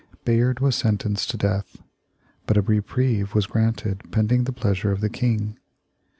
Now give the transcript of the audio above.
Bayard was sentenced to death, but a reprieve was granted pending the pleasure of the King.